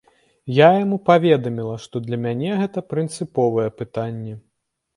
Я яму паведаміла, што для мяне гэта прынцыповае пытанне.